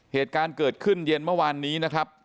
เหตุการณ์เกิดขึ้นเย็นเมื่อวานนี้นะครับ